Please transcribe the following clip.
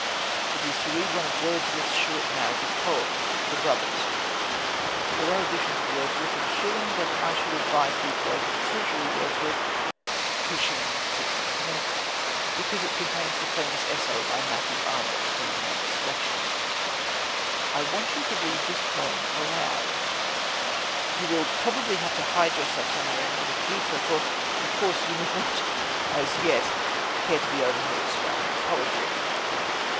It is to read one of Wordsworth's short narrative poems, The Brothers. There are editions of Wordsworth at a shilling, but I should advise the "Golden Treasury" Wordsworth (2s. 6d. net), because it contains the famous essay by Matthew Arnold, who made the selection. I want you to read this poem aloud. You will probably have to hide yourself somewhere in order to do so, for, of course, you would not, as yet, care to be overheard spouting poetry.